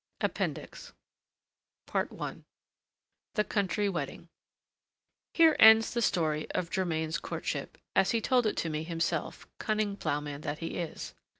APPENDIX I THE COUNTRY WEDDING Here ends the story of Germain's courtship, as he told it to me himself, cunning ploughman that he is!